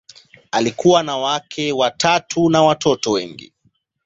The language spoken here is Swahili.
Alikuwa na wake watatu na watoto wengi.